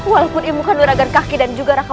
walaupun ibu kan luragan kaki dan juga raka